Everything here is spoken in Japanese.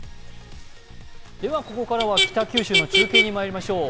ここからは北九州の中継にまいりましょう。